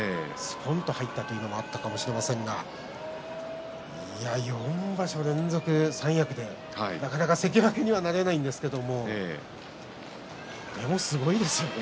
ぽんと入ったというのがあるかもしれませんが４場所連続、三役でなかなか関脇にはなれないんですけどでもすごいですよね。